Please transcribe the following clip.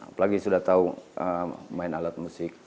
apalagi sudah tahu main alat musik